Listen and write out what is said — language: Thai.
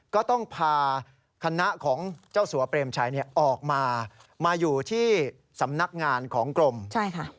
ก็ต้องพาคณะของเจ้าสัวเปรมชัยเนี่ยออกมามาอยู่ที่สำนักงานของกรมใช่ค่ะ